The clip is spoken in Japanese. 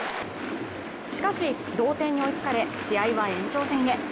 しかし、同点に追いつかれ試合は延長戦へ。